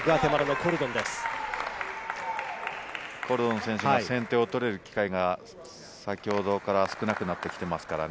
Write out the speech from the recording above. コルドン選手が先手を取る機会が先ほどから少なくなってきていますからね。